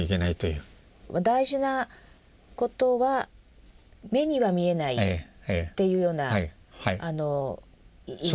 「大事なことは目には見えない」っていうような意味。